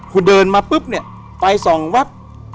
คุณเดินมาปุ๊บไปส่องวัด